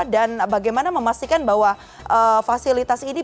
dan bagaimana memastikan bahwa fasilitas ini